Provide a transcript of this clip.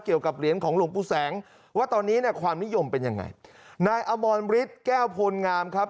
เกี่ยวกับเหรียญของหลวงปู่แสงว่าตอนนี้เนี่ยความนิยมเป็นยังไงนายอมรฤทธิ์แก้วพลงามครับ